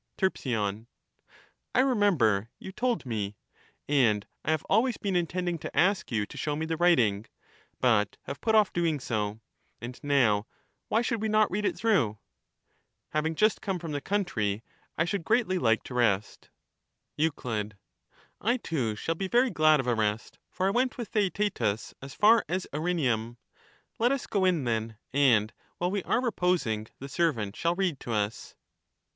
Terp. I remember — you told me ; and I have always been intending to ask you to show me the writing, but have put off" doing so ; and now, why should we not read it through ?— having just come from the country, I should greatly like to rest. Euc. I too shall be very glad of a rest, for I went with Theaetetus as far as Erineum. Let us go in, then, and, while we are reposing, the servant shall read to us.